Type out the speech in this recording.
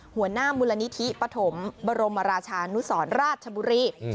หัวหน้ามูลนิธิปฐมบรมราชานุสรราชบุรี